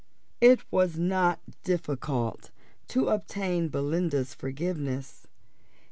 It was not difficult to obtain Belinda's forgiveness.